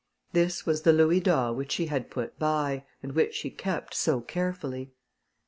This was the louis d'or which she had put by, and which she kept so carefully.